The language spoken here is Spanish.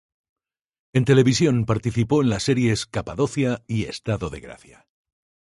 En televisión participó en las series "Capadocia" y "Estado de gracia".